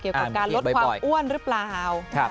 เกี่ยวกับการลดความอ้วนหรือเปล่า